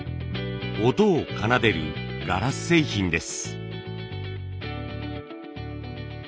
音を奏でるガラス製品です。